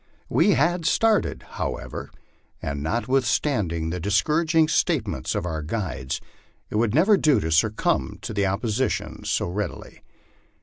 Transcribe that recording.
We had started, however, and notwithstanding the discouraging statements of our guides it would never do to succumb to opposition so readily.